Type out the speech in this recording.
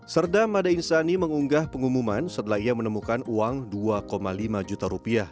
serda mada insani mengunggah pengumuman setelah ia menemukan uang dua lima juta